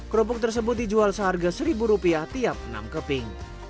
kerupuk tersebut dijual seharga seribu rupiah tiap enam keping